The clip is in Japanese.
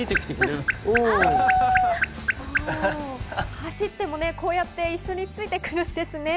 走ってもこうやって一緒についてくるんですね。